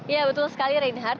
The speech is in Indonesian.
ya betul sekali reinhardt